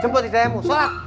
jemput hidayahmu sholat